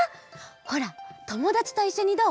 ほらともだちといっしょにどう？